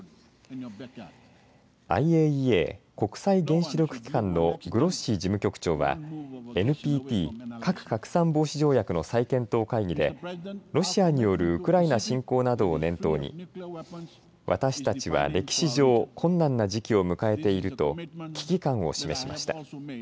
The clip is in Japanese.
ＩＡＥＡ、国際原子力機関のグロッシ事務局長はＮＰＴ、核拡散防止条約の再検討会議でロシアによるウクライナ侵攻などを念頭に私たちは歴史上、困難な時期を迎えていると危機感を示しました。